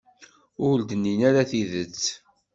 Ur d-nnin ara tidet.